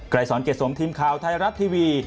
ไกล่สอนเกร็ดสมทีมข่าวไทยรัตน์ทีวี